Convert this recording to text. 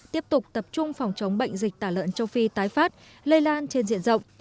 tiếp tục tập trung phòng chống bệnh dịch tả lợn châu phi tái phát lây lan trên diện rộng